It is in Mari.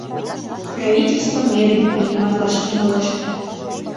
Правительство мерым приниматлаш тӱҥалеш.